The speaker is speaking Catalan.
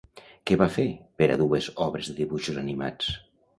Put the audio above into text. Què va fer per a dues obres de dibuixos animats?